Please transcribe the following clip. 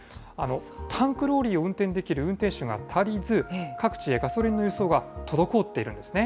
タンクローリーを運転できる運転手が足りず、各地でガソリンの輸送が滞っているんですね。